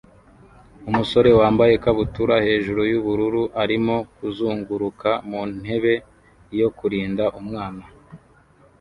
Umusore wambaye ikabutura hejuru yubururu arimo kuzunguruka mu ntebe yo kurinda umwana